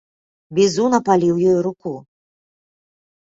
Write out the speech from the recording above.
Бізун апаліў ёй руку.